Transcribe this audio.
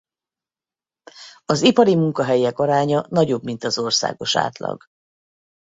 Az ipari munkahelyek aránya nagyobb mint az országos átlag.